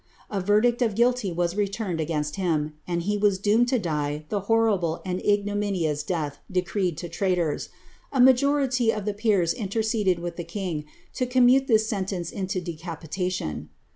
A verdict of guilty was returned again^st him, and he was doomed to die tlie horrible and ignominious death decreed to traitors. A majoiity of the peers interceded with the king to commute this sentence into de capitation.